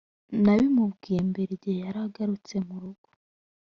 nabimubwiye mbere igihe yari agarutse mu rugo